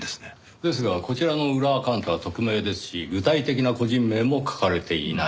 ですがこちらの裏アカウントは匿名ですし具体的な個人名も書かれていない。